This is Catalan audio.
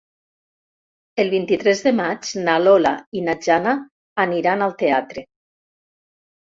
El vint-i-tres de maig na Lola i na Jana aniran al teatre.